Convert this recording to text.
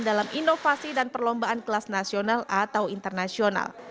dalam inovasi dan perlombaan kelas nasional atau internasional